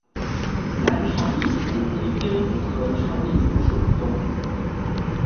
南长翼蝠为蝙蝠科长翼蝠属的动物。